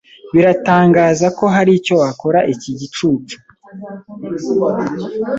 Birantangaza ko hari icyo wakora iki gicucu.